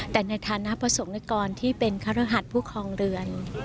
แต่ในฐานะประสงค์นิกรที่เป็นครหัสผู้ครองเรือน